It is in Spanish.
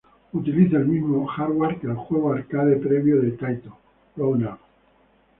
Utiliza el mismo hardware que el juego arcade previo de Taito, Round-Up.